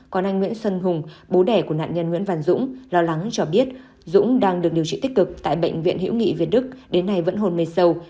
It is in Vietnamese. còn anh nguyễn xuân hùng bố đẻ của nạn nhân nguyễn văn dũng lo lắng cho biết dũng đang được điều trị tích cực tại bệnh viện hữu nghị việt đức đến nay vẫn hồn mê sâu